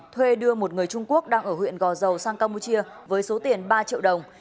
thuê đưa một người trung quốc đang ở huyện gò dầu sang campuchia với số tiền ba triệu đồng